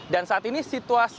dan saat ini situasi